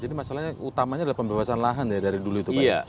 jadi masalahnya utamanya adalah pembebasan lahan ya dari dulu itu pak